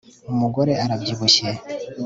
Umugore arabyibushye